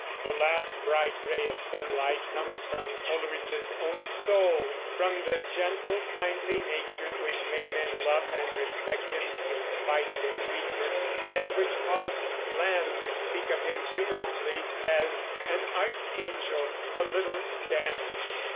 The last bright ray of sunlight comes from Coleridge's own soul, from the gentle, kindly nature which made men love and respect him in spite of his weaknesses, and which caused Lamb to speak of him humorously as "an archangel a little damaged."